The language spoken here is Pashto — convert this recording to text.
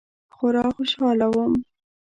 خورا خوشحاله وم.